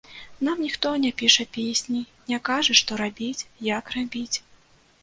Нам ніхто не піша песні, не кажа што рабіць, як рабіць.